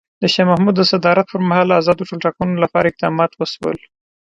د شاه محمود د صدارت پر مهال ازادو ټولټاکنو لپاره اقدامات وشول.